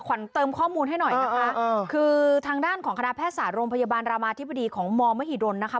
ขวัญเติมข้อมูลให้หน่อยนะคะคือทางด้านของคณะแพทยศาสตร์โรงพยาบาลรามาธิบดีของมมหิดลนะคะ